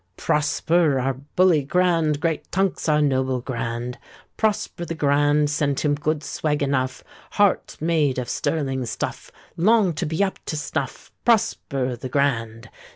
Prosper our Bully Grand, Great Tunks, our noble Grand; Prosper the Grand Send him good swag enough, Heart made of sterling stuff, Long to be up to snuff;— Prosper the Grand.